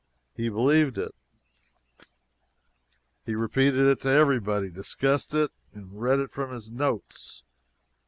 He believed it. He repeated it to everybody, discussed it, and read it from his notes.